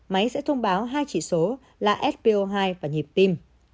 máy sẽ thông báo hai chỉ số là spo hai và nhịp tim